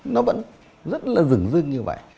nó vẫn rất là rừng rưng như vậy